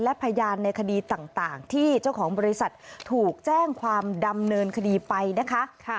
และพยานในคดีต่างที่เจ้าของบริษัทถูกแจ้งความดำเนินคดีไปนะคะ